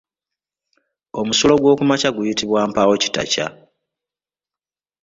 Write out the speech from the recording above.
Omusulo gw'okumakya guyitibwa mpaawokitakya.